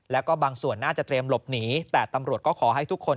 แล้วก็บางส่วนน่าจะเตรียมหลบหนีแต่ตำรวจก็ขอให้ทุกคน